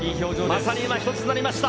まさに今一つになりました。